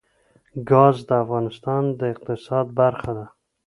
ګاز د افغانستان د اقتصاد برخه ده.